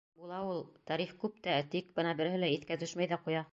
— Була ул. Тарих күп тә, тик... бына береһе лә иҫкә төшмәй ҙә ҡуя.